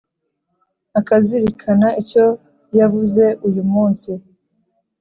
akazirikana icyo yavuze uyu munsi,